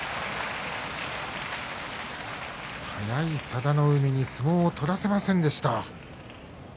速い佐田の海に相撲を取らせませんでした。